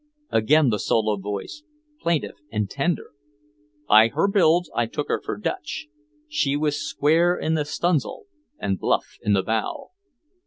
Again the solo voice, plaintiff and tender: "By her build I took her for Dutch. She was square in the stuns'l and bluff in the bow."